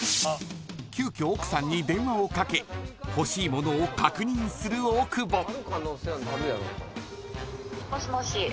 急きょ奥さんに電話をかけ欲しい物を確認する大久保。